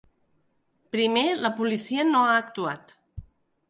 Primer, la policia no ha actuat.